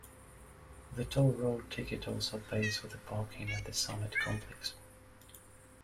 The toll road ticket also pays for the parking at the Summit Complex.